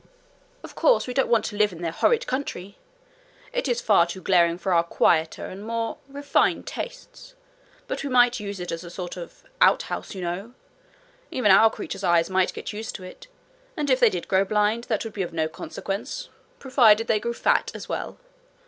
Of course we don't want to live in their horrid country! It is far too glaring for our quieter and more refined tastes. But we might use it as a sort of outhouse, you know. Even our creatures' eyes might get used to it, and if they did grow blind that would be of no consequence, provided they grew fat as well.